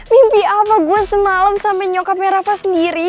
mimpi apa gue semalam sama nyokapnya rafa sendiri